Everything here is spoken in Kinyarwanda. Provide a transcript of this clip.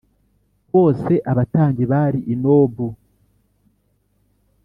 bose abatambyi bari i Nobu